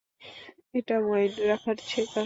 এটা ওয়াইন রাখার সেলার।